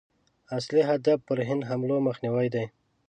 اصلي هدف پر هند حملو مخنیوی دی.